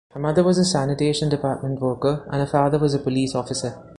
Her mother was a sanitation department worker and her father was a police officer.